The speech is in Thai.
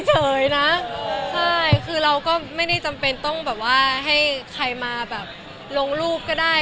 เฉยนะใช่คือเราก็ไม่ได้จำเป็นต้องแบบว่าให้ใครมาแบบลงรูปก็ได้